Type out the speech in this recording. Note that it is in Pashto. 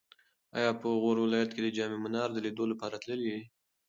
ایا په غور ولایت کې د جام منار د لیدو لپاره تللی یې؟